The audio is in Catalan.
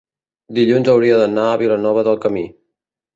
dilluns hauria d'anar a Vilanova del Camí.